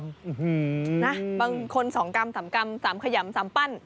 นะบางคน๒กรัม๓กรัม๓ขยำ๓ปั้น